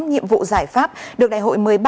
nhiệm vụ giải pháp được đại hội một mươi ba